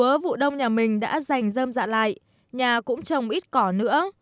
với vụ đông nhà mình đã dành dơm dạ lại nhà cũng trồng ít cỏ nữa